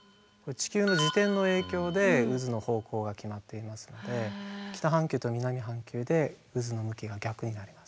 地球の自転の影響で渦の方向が決まっていますので北半球と南半球で渦の向きが逆になります。